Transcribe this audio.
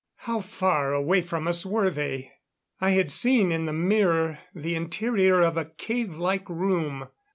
How far away from us were they? I had seen in the mirror the interior of a cave like room.